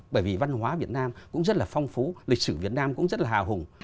bởi vì văn hóa việt nam cũng rất là phong phú lịch sử việt nam cũng rất là hào hùng